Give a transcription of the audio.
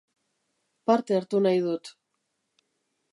Parte hartu nahi dut